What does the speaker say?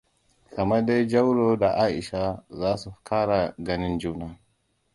Kamar dai Jauroa da Aisha za su ƙara ganin juna.